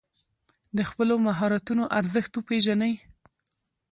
د خپلو مهارتونو ارزښت وپېژنئ.